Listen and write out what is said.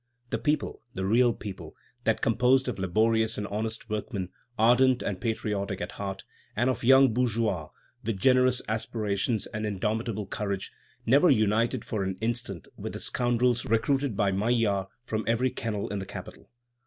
"The people, the real people that composed of laborious and honest workmen, ardent and patriotic at heart, and of young bourgeois with generous aspirations and indomitable courage never united for an instant with the scoundrels recruited by Maillard from every kennel in the capital.